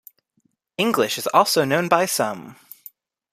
English is also known by some.